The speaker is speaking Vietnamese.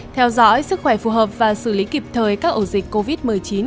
theo dõi sức khỏe phù hợp và xử lý kịp thời các ổ dịch covid một mươi chín